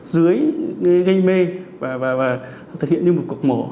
dưới ganh mê và thực hiện như một cuộc mổ